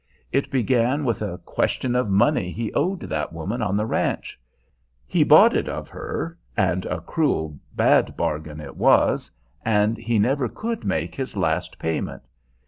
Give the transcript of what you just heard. It began with a question of money he owed that woman on the ranch. He bought it of her, and a cruel bad bargain it was, and he never could make his last payment.